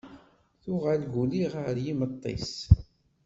Tuɣal Guli ɣer yimeṭṭi-s.